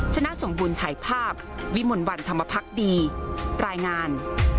ชนะสมบูรณ์ถ่ายภาพวิมลวันธรรมพักดีรายงาน